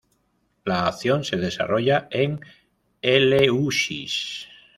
La acción se desarrolla en Eleusis.